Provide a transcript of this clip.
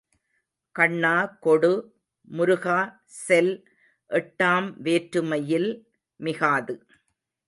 கண்ணா கொடு, முருகா செல் எட்டாம் வேற்றுமையில் மிகாது.